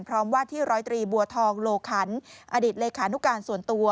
พร้อมว่าที่๑๐๓บัวทองโลขันอดีตเลขานุการณ์ส่วนตัว